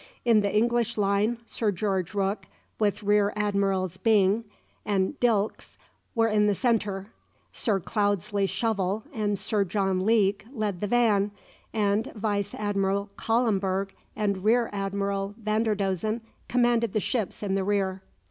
In the English line, Sir George Rooke, with Rear Admirals Byng and Dilkes, were in the centre. Sir Cloudesley Shovel and Sir John Leake led the van, and Vice Admiral Calemburg and Rear Admiral Vanderdosen commanded the ships in the rear.